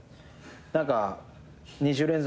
何か２週連続。